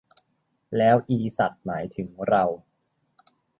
แล้ว 'อีสัตว์' หมายถึงเรา